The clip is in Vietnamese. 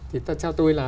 thì theo tôi là